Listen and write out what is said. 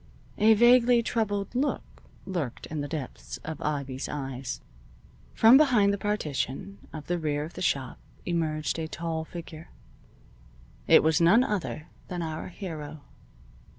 A vaguely troubled look lurked in the depths of Ivy's eyes. From behind the partition of the rear of the shop emerged a tall figure. It was none other than our hero.